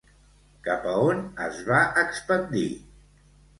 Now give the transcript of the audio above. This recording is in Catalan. Cap on es va expandir?